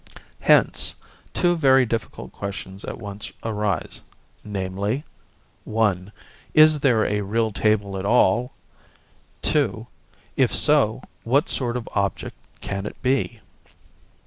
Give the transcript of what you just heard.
Hence, two very difficult questions at once arise; namely, (1) Is there a real table at all? (2) If so, what sort of object can it be?